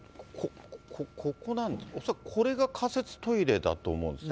ここなんですね、これが仮設トイレだと思うんですね。